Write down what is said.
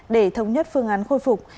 để thống nhất phương án khôi phục